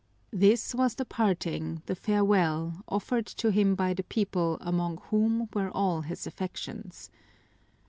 This was the parting, the farewell, offered to him by the people among whom were all his affections.